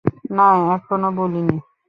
না, এখনও বলিনি।